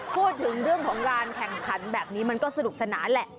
พูดถึงเรื่องของการแข่งขันแบบนี้มันก็สนุกสนานแหละ